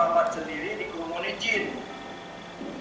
karena muhammad sendiri dikerumuni jin